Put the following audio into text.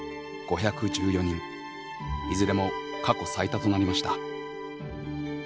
いずれも過去最多となりました。